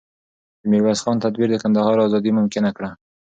د میرویس خان تدبیر د کندهار ازادي ممکنه کړه.